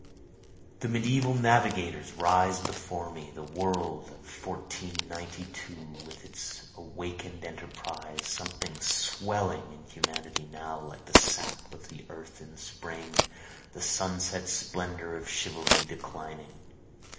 The mediaeval navigators rise before me, The world of 1492, with its awaken'd enterprise, Something swelling in humanity now like the sap of the earth in spring, The sunset splendor of chivalry declining.